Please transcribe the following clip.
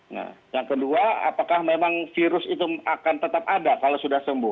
nah yang kedua apakah memang virus itu akan tetap ada kalau sudah sembuh